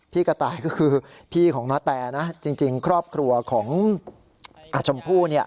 พี่กระต่ายก็คือพี่ของณแตนะจริงครอบครัวของชมพู่